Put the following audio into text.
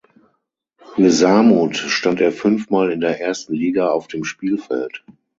Für Samut stand er fünfmal in der ersten Liga auf dem Spielfeld.